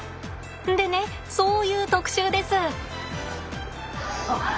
でねそういう特集です。